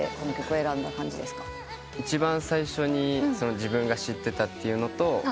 一番最初に自分が知ってたというのと。